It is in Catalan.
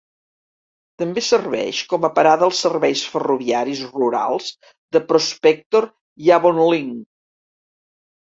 També serveix com a parada als serveis ferroviaris rurals de Prospector i Avonlink.